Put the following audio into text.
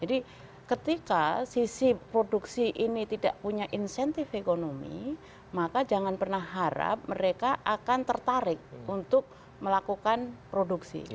jadi ketika sisi produksi ini tidak punya insentif ekonomi maka jangan pernah harap mereka akan tertarik untuk melakukan produksi